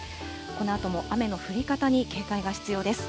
このあとも雨の降り方に警戒が必要です。